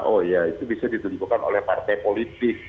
oh ya itu bisa ditentukan oleh partai politik